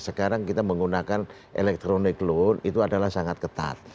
sekarang kita menggunakan electronic loan itu adalah sangat ketat